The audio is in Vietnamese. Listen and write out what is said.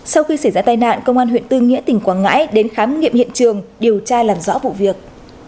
sau khi xảy ra tai nạn công an huyện tư nghĩa tỉnh quảng ngãi đến khám nghiệm hiện trường điều tra làm rõ vụ việc